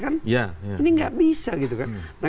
ini tidak bisa